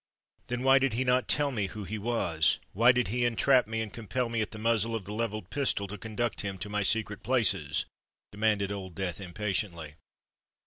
"Then why did he not tell me who he was?—why did he entrap me, and compel me at the muzzle of the levelled pistol to conduct him to my secret places?" demanded Old Death impatiently.